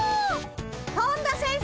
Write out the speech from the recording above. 本田先生